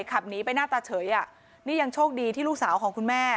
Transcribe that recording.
ขับหนีไปหน้าตาเฉยอ่ะนี่ยังโชคดีที่ลูกสาวของคุณแม่